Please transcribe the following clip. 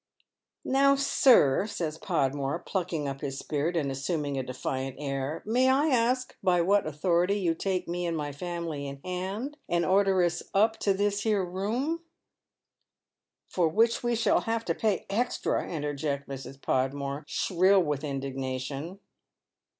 " Now, sir," says Podmore, plucking up his spirit, and assum ing a defiant air, " may I ask by what authority you take me and my family in hand, and order us up to this here room "" For which we shall have to pay hextra," interjects Mrs. Pod more, shrill with indignation.